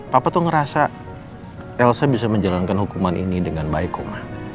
papa tuh ngerasa elsa bisa menjalankan hukuman ini dengan baik kok